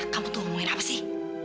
kamu tuh ngomongin apa sih